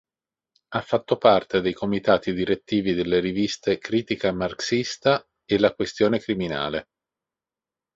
Ha fatto parte dei comitati direttivi delle riviste "Critica marxista" e "La questione criminale".